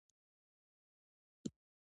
تاسو باید د نوې تکنالوژۍ په اړه مطالعه وکړئ.